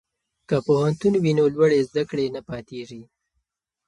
که پوهنتون وي نو لوړې زده کړې نه پاتیږي.